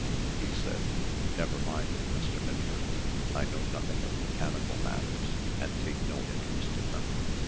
He said: "Never mind it, Mr. Minford. I know nothing of mechanical matters, and take no interest in them.